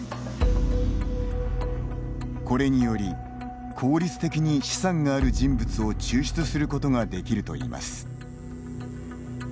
これにより、効率的に資産がある人物を抽出することができるといいます。